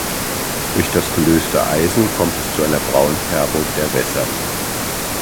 Durch das gelöste Eisen kommt es zu einer Braunfärbung der Wässer.